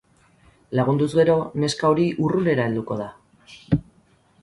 Lagunduz gero neska hori urrunera helduko da.